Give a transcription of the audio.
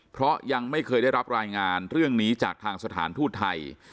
เพราะยังไม่เคยได้รับรายงานเรื่องนี้จากทางสถานทูตไทย